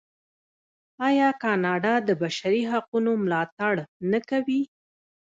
آیا کاناډا د بشري حقونو ملاتړ نه کوي؟